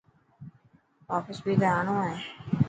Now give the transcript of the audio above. واپس بي ته آڻو هي.